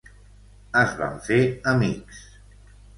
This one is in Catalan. Es van fer amics.